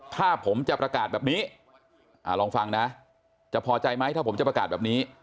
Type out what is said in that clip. ถ้าผมจะประกาศแบบนี้ลองฟังนะจะพอใจไหมถ้าผมจะประกาศแบบนี้